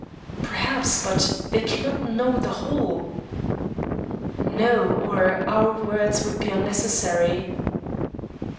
"Perhaps; but they cannot know the whole." "No, or our words would be unnecessary."